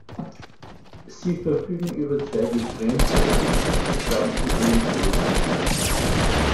Sie verfügen über zwei getrennte elliptisch geformte Öldrüsen.